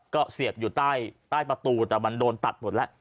ก็เสียบอยู่ใต้ประตูแต่มันโดนตัดหมดแล้ว